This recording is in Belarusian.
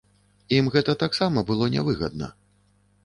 Ім гэта таксама было нявыгадна.